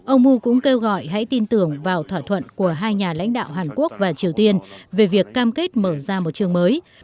ông mu cũng kêu gọi hãy tin tưởng vào thỏa thuận của hai nhà lãnh đạo hàn quốc và triều tiên về việc cam kết mở ra một trường mới